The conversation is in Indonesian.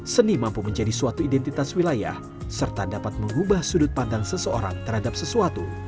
seni mampu menjadi suatu identitas wilayah serta dapat mengubah sudut pandang seseorang terhadap sesuatu